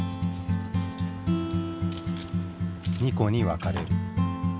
２個に分かれる。